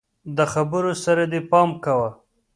د خبرو سره دي پام کوه!